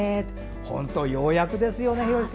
本当、ようやくですよね。